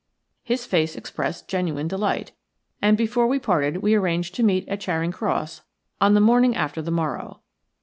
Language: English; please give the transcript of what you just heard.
His face expressed genuine delight, and before we parted we arranged to meet at Charing Cross on the morning after the morrow.